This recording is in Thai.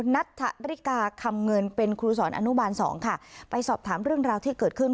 นัทธริกาคำเงินเป็นครูสอนอนุบาลสองค่ะไปสอบถามเรื่องราวที่เกิดขึ้น